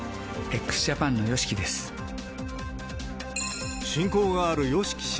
ＸＪＡＰＡＮのＹＯＳＨＩＫＩです。